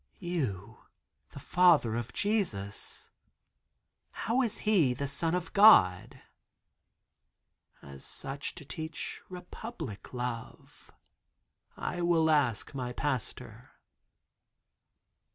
"You, the Father of Jesus, how is He the son of God?" "As such to teach republic love. I will ask my pastor."